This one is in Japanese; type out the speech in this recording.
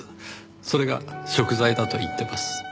それが贖罪だと言ってます。